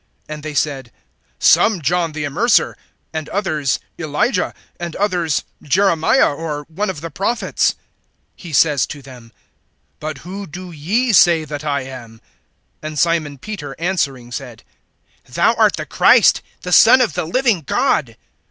(14)And they said: Some, John the Immerser; and others, Elijah; and others, Jeremiah, or one of the prophets. (15)He says to them: But who do ye say that I am? (16)And Simon Peter answering said: Thou art the Christ, the Son of the living God.